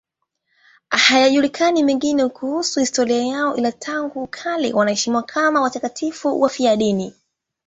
Hayajulikani mengine kuhusu historia yao, ila tangu kale wanaheshimiwa kama watakatifu wafiadini.